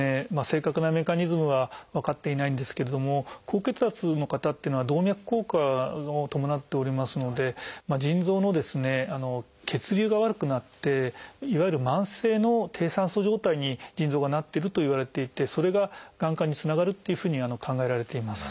正確なメカニズムは分かっていないんですけれども高血圧の方というのは動脈硬化を伴っておりますので腎臓の血流が悪くなっていわゆる慢性の低酸素状態に腎臓がなってるといわれていてそれががん化につながるというふうに考えられています。